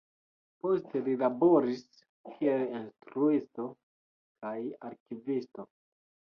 Poste li laboris kiel instruisto kaj arkivisto.